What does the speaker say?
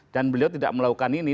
dan beliau tidak melakukan ini